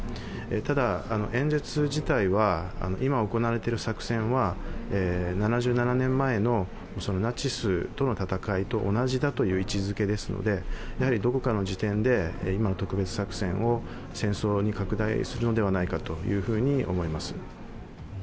ただ演説自体は今行われている作戦は７７年前のナチスとの戦いと同じだという位置づけですのでどこかの時点で今の特別作戦を戦争に拡大するのではないかと思います。